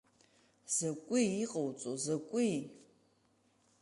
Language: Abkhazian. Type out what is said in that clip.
Закәи иҟауҵо, закәи?